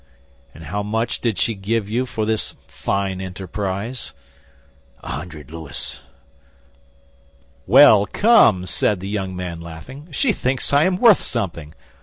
"And how much did she give you for this fine enterprise?" "A hundred louis." "Well, come!" said the young man, laughing, "she thinks I am worth something.